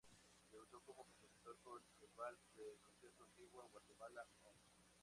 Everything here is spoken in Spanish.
Debutó como compositor con el vals de concierto "Antigua Guatemala" op.